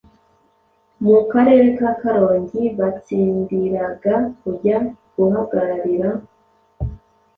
Mu Karere ka Karongi batsindiraga kujya guhagararira